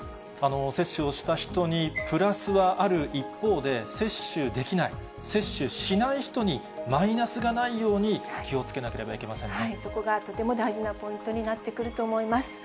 接種をした人にプラスはある一方で、接種できない、接種しない人にマイナスがないように、そこがとても大事なポイントになってくると思います。